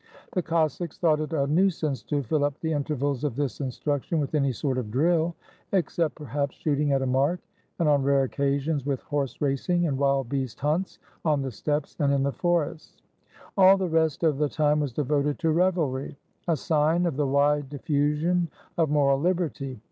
The Cossacks thought it a nuisance to fill up the intervals of this instruction with any sort of drill, exceptperhaps shooting at a mark, and on rare occasions with horse racing and wild beast hunts on the steppes and in the forests. All the rest of the time was devoted to revelry, — a sign of the wide diffu sion of moral liberty.